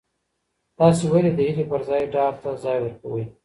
تاسي ولي د هیلې پر ځای ډار ته ځای ورکوئ؟